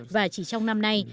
và chỉ trong năm nay